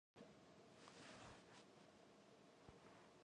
ایا د خیر محمد غریبي به د هغه د اولادونو په راتلونکي اغیز وکړي؟